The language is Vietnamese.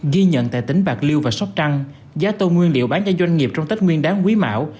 ghi nhận tại tỉnh bạc liêu và sóc trăng giá tôm nguyên liệu bán cho doanh nghiệp trong tết nguyên đáng quý mão